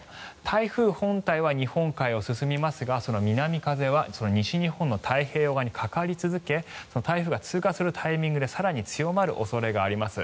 台風本体は日本海を進みますが南風は西日本の太平洋側にかかり続け台風が通過するタイミングで更に強まる恐れがあります。